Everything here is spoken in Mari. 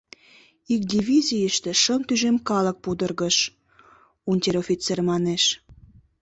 Ик дивизийыште шым тӱжем калык пудыргыш, — унтер-офицер манеш.